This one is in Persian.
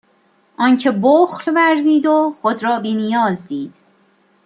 آنکه بخل ورزید و خود را بینیاز دید